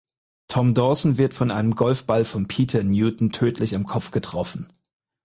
Tom Dawson wird von einem Golfball von Peter Newton tödlich am Kopf getroffen.